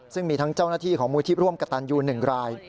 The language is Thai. ซึ่งมีทั้งเจ้าหน้าที่ของมูลที่ร่วมกระตันยู๑ราย